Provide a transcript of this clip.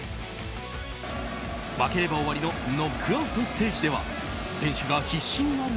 負ければ終わりのノックアウトステージでは選手が必死になる